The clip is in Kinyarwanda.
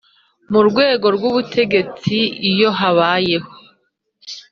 Mu rwego rw ubutegetsi iyo habayeho